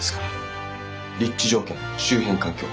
立地条件周辺環境